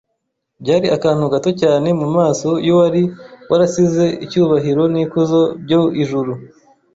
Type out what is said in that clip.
byari akantu gato cyane mu maso y’uwari warasize icyubahiro n’ikuzo byo ijuru,